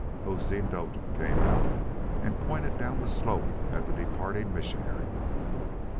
Hosteen Doetin came out and pointed down the slope at the departing missionary.